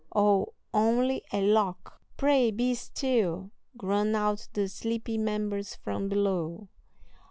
"Oh, only a lock." "Pray, be still," groan out the sleepy members from below.